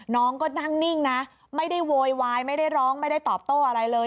น้องก็นั่งนิ่งนะไม่ได้โวยวายไม่ได้ร้องไม่ได้ตอบโต้อะไรเลย